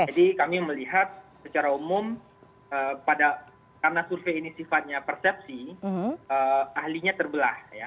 jadi kami melihat secara umum karena survei ini sifatnya persepsi ahlinya terbelah